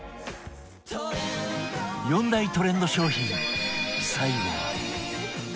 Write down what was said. ４大トレンド商品最後は